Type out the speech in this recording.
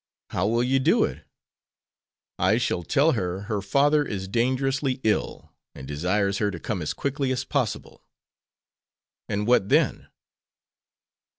"How will you do it?" "I shall tell her her father is dangerously ill, and desires her to come as quickly as possible." "And what then?"